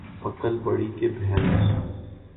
عقل بڑی کہ بھینس